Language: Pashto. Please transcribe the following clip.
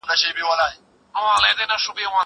زه کولای سم خواړه ورکړم!!